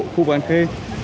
khu bán khê